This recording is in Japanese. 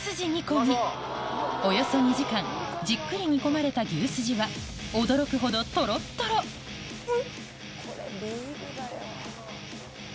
およそ２時間じっくり煮込まれた牛すじは驚くほどとろっとろうん！